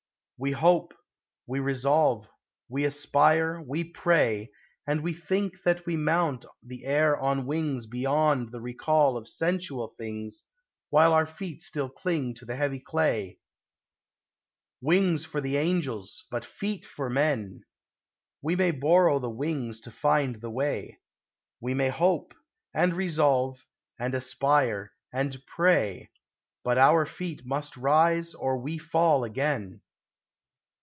We hope, we resolve, we aspire, we pray, And we think that we mount the air on wings Beyond the recall of sensual things, While our feet still cling to the heavy clay. Wings for the angels, but feet for men! We may borrow the wings to find the way We may hope, and resolve, and aspire, and pray; But our feet must rise, or we fall again.